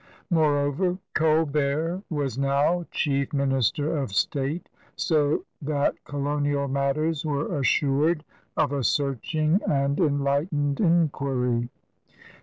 Moreover, Colbert was now chief minister of state, so that colonial matters were assured of a searching and enlightened inquiry.